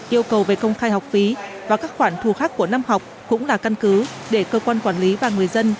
yêu cầu về công khai học phí và các khoản thu khác của năm học cũng là căn cứ để cơ quan quản lý và người dân